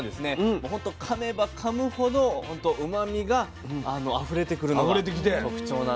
もうほんとかめばかむほどほんとうまみがあふれてくるのが特徴なんですよ。